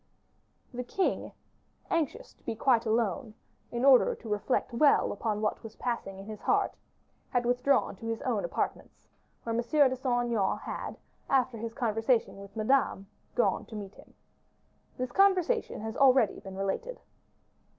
The king, anxious to be again quite alone, in order to reflect well upon what was passing in his heart, had withdrawn to his own apartments, where M. de Saint Aignan had, after his conversation with Madame, gone to meet him. This conversation has already been related.